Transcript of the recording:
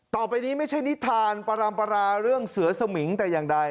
ต่อไปนี้ไม่ใช่นิทานปรัมปราเรื่องเสือสมิงแต่อย่างใด